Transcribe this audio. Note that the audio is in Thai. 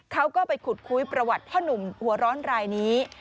เขาก็ไปขุดคุยประวัติพ่อหนุ่มหัวร้อนรายนี้